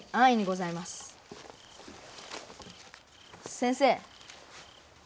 先生。